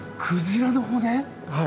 はい。